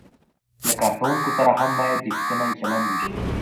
له کارکوونکو سره هم باید ریښتینی چلند وشي.